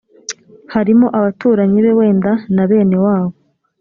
harimo abaturanyi be wenda na bene wabo